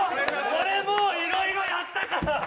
俺もういろいろやったから。